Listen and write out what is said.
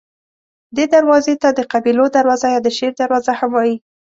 دې دروازې ته د قبیلو دروازه یا د شیر دروازه هم وایي.